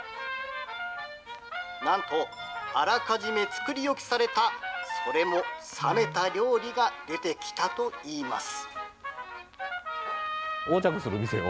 なんとあらかじめ作り置きされた、それも冷めた料理が出てきたといいます。